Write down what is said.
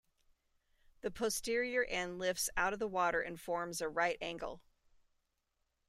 The posterior end lifts out of the water and forms a right angle.